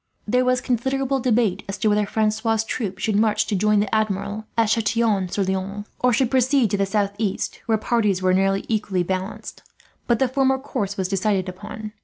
There was considerable debate as to whether Francois' troop should march to join the Admiral, at Chatillon sur Loing; or should proceed to the southeast, where parties were nearly equally balanced; but the former course was decided upon.